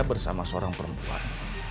bersama seorang perempuan